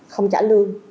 không trả lương